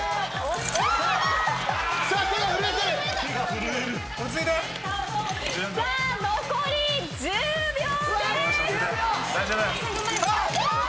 さあ残り１０秒です！